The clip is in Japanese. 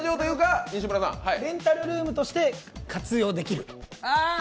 レンタルルームとして活用できる？